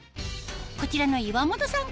こちらの岩本さん